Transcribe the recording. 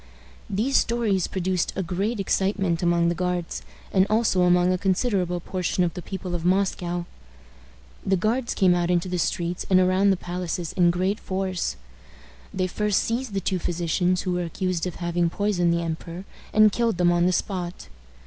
These stories produced a great excitement among the Guards, and also among a considerable portion of the people of Moscow. The guards came out into the streets and around the palaces in great force. They first seized the two physicians who were accused of having poisoned the emperor, and killed them on the spot.